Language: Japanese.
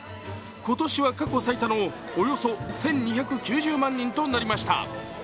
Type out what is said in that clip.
今年は過去最多のおよそ１２９０万人となりました。